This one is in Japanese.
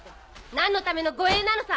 何のための護衛なのさ！